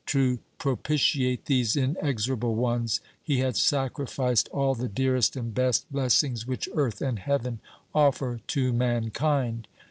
To propitiate these inexorable ones he had sacrificed all the dearest and best blessings which earth and heaven offer to mankind.